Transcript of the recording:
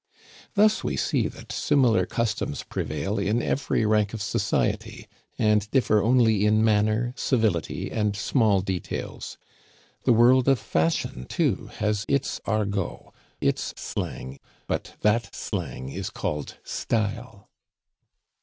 Thus we see that similar customs prevail in every rank of society, and differ only in manner, civility, and small details. The world of fashion, too, has its argot, its slang; but that slang is called style.